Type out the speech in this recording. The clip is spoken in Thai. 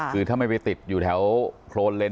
คือถ้าไม่ไปติดอยู่แถวโครนเลน